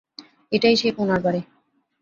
এটাই সেই কোণার বাড়ী।